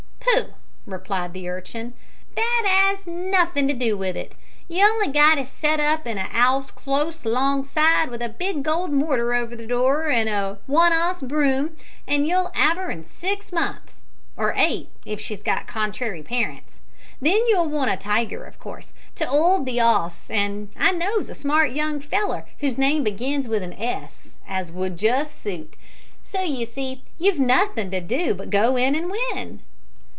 "Pooh!" replied the urchin; "that 'as nuffin' to do with it. You've on'y got to set up in a 'ouse close alongside, with a big gold mortar over the door an' a one 'oss broom, an' you'll 'ave 'er in six months or eight if she's got contrairy parents. Then you'll want a tiger, of course, to 'old the 'oss; an' I knows a smart young feller whose name begins with a S, as would just suit. So, you see, you've nothing to do but to go in an win."